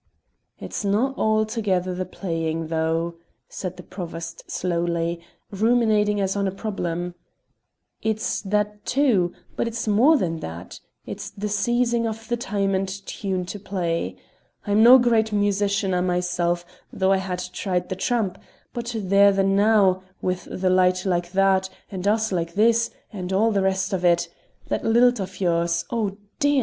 "It's no' altogether the playing though," said the Provost slowly, ruminating as on a problem; "it's that too, but it's more than that; it's the seizing of the time and tune to play. I'm no great musicianer myself, though I have tried the trump; but there the now with the night like that, and us like this, and all the rest of it that lilt of yours oh, damn!